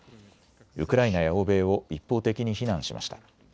ウクライナや欧米を一方的に非難しました。